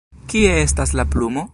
Kie estas la plumo?